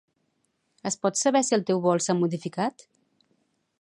Es pot saber si el teu vol s'ha modificat?